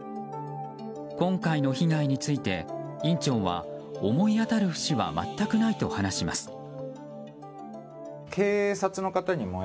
今回の被害について院長は思い当たる節は全くないと話します。